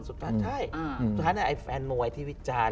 สุดท้ายนั้นไอ้แฟนมัวไอ้ที่วิจารณ์